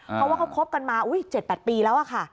เพราะว่าเขาคบกันมา๗๘ปีแล้วค่ะ